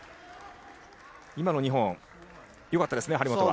今の２本、よかったですね、張本は。